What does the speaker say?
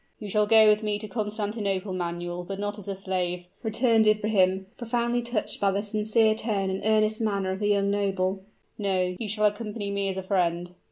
"You shall go with me to Constantinople, Manuel but not as a slave," returned Ibrahim, profoundly touched by the sincere tone and earnest manner of the young noble; "no you shall accompany me as a friend."